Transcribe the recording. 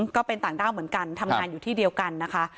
ก็เป็นต่างด้าวเหมือนกันทำงานอยู่ที่เดียวกันนะคะ